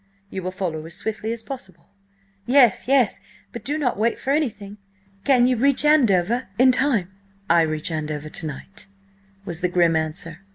You will follow as swiftly as possible?" "Yes, yes, but do not wait for anything! Can you reach Andover–in time?" "I reach Andover to night," was the grim answer.